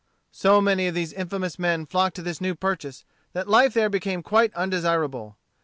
So many of these infamous men flocked to this New Purchase that life there became quite undesirable.